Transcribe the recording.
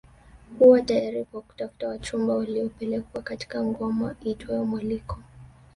Huwa tayari kwa kutafuta wachumba waliopelekwa katika ngoma iitwayo mwaliko